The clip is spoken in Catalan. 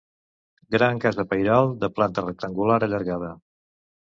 Gran casa pairal de planta rectangular allargada.